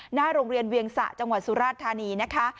หน้าโรงเรียนเวียงสะจังหวัดสุราชธานีนะคะ